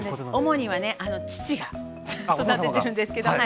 主にはね父が育ててるんですけどはい。